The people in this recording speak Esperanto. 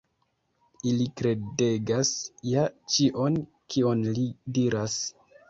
Ili kredegas ja ĉion, kion li diras.